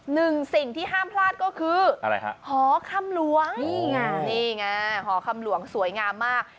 หนึ่งสิ่งที่ห้ามพลาดก็คืออะไรฮะหอคำหลวงนี่ไงนี่ไงหอคำหลวงสวยงามมาก